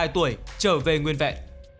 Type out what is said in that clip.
ba mươi hai tuổi trở về nguyên vẹn